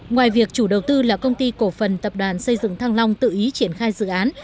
ngoài việc chủ đầu tư là công ty cổ phần tập đoàn xây dựng thăng long tự ý triển khai dự án